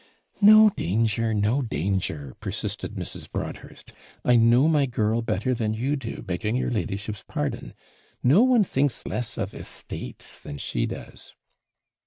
'No danger, no danger,' persisted Mrs. Broadhurst. 'I know my girl better than you do, begging your ladyship's pardon. No one thinks less of estates than she does.'